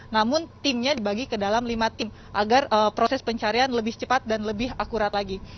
namun timnya dibagi ke dalam lima tim agar proses pencarian lebih cepat dan lebih akurat lagi